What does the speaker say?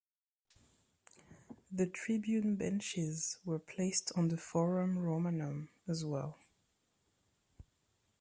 The Tribune benches were placed on the Forum Romanum, as well.